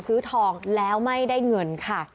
ซื้อทองแล้วไม่ได้เงินค่ะ